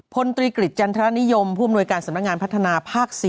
พลตรีกฤษจันทรนิยมผู้อำนวยการสำนักงานพัฒนาภาค๔